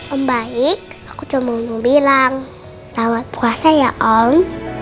om baik aku cuma mau bilang selamat puasa ya om